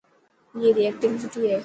اي ري ايڪٽنگ سٺي هي.